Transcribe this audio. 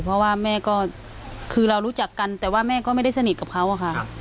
เพราะว่าแม่ก็คือเรารู้จักกันแต่ว่าแม่ก็ไม่ได้สนิทกับเขาอะค่ะ